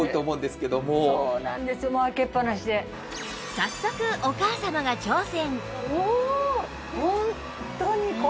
早速お母様が挑戦